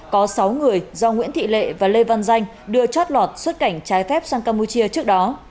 có sáu người do nguyễn thị lệ và lê văn danh đưa chót lọt xuất cảnh trái phép sang campuchia trước đó